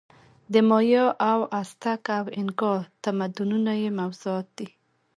د مایا او ازتک او اینکا تمدنونه یې موضوعات دي.